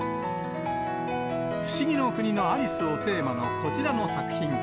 不思議の国のアリスをテーマのこちらの作品。